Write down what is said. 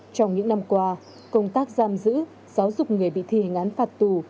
trong những năm qua công tác giam giữ giáo dục người bị thi hành án phạt tù